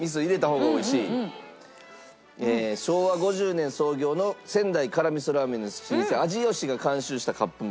昭和５０年創業の仙台辛みそラーメンの老舗味よしが監修したカップ麺。